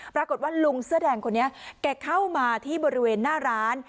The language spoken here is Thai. ปรากฏว่าลุงเสื้อแดงคนนี้แกเข้ามาที่บริเวณหน้าร้าน